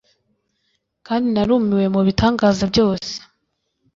kandi narumiwe mubitangaza byose.